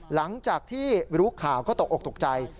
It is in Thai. หลังจากที่รู้ข่าวก็ตกออกตกใจ